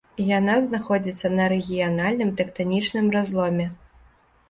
Яна знаходзіцца на рэгіянальным тэктанічным разломе.